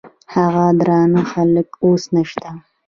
هغه درانه خلګ اوس نشته.